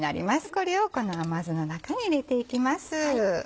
これをこの甘酢の中に入れていきます。